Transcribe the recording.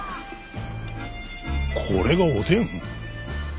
これがおでん？